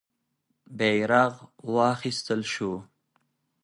بیرغ واخیستل سو.